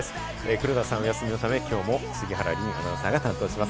黒田さんはお休みのため、きょうも杉原凜アナウンサーが担当します。